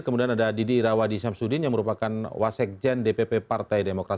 kemudian ada didi irawadi samsudin yang merupakan wasekjen dpp partai demokrat